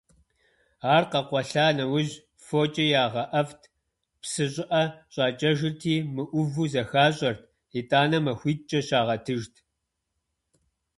Ар къэкъуэлъа нэужь фокIэ ягъэIэфIт, псы щIыIэ щIакIэжырти, мыIуву зэхащIэрт, итIанэ махуитIкIэ щагъэтыжт.